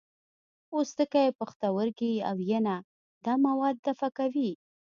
پوستکی، پښتورګي او ینه دا مواد دفع کوي.